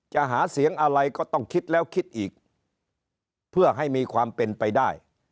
หาเสียงอะไรก็ต้องคิดแล้วคิดอีกเพื่อให้มีความเป็นไปได้